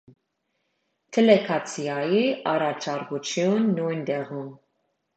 Դելեգացիայի առաջարկություն, նույն տեղում։